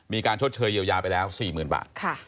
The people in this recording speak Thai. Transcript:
ชดเชยเยียวยาไปแล้ว๔๐๐๐บาท